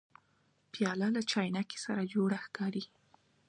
پیاله له چاینکي سره جوړه ښکاري.